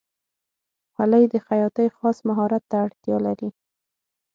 خولۍ د خیاطۍ خاص مهارت ته اړتیا لري.